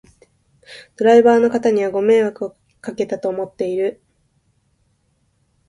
ドライバーの方にはご迷惑をかけたと思っている